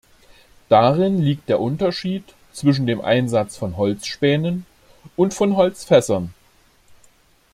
Darin liegt der Unterschied zwischen dem Einsatz von Holzspänen und von Holzfässern.